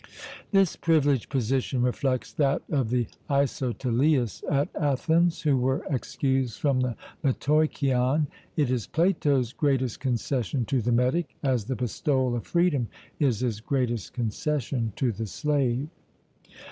This privileged position reflects that of the isoteleis at Athens, who were excused from the metoikion. It is Plato's greatest concession to the metic, as the bestowal of freedom is his greatest concession to the slave.